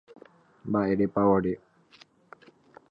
Mba'érepa ere